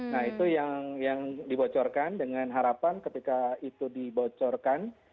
nah itu yang dibocorkan dengan harapan ketika itu dibocorkan